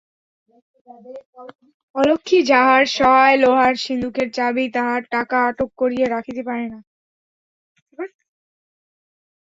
অলক্ষ্ণী যাহার সহায় লোহার সিন্ধুকের চাবি তাহার টাকা আটক করিয়া রাখিতে পারে না।